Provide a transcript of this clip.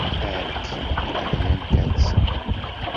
Aɛekki d leḥya n talsa.